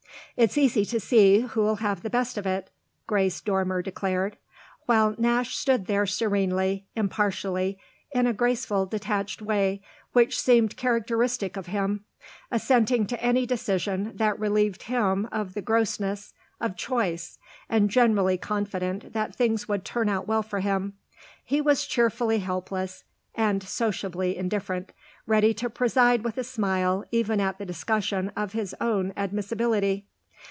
"It's easy to see who'll have the best of it!" Grace Dormer declared; while Nash stood there serenely, impartially, in a graceful detached way which seemed characteristic of him, assenting to any decision that relieved him of the grossness of choice and generally confident that things would turn out well for him. He was cheerfully helpless and sociably indifferent; ready to preside with a smile even at a discussion of his own admissibility.